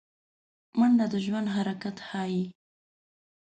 منډه د ژوند حرکت ښيي